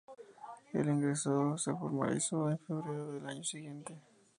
El ingreso se formalizó en febrero del año siguiente.